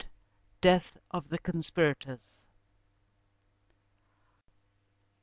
DEATH OF THE CONSPIRATORS.